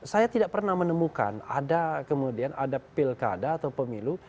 saya tidak pernah menemukan ada kemudian ada pilkada atau pemilu